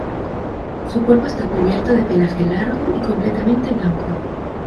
Su cuerpo está cubierto de pelaje largo y completamente blanco.